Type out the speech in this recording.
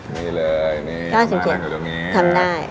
นี่เลยนี่๙๐คนอยู่ตรงนี้ทำได้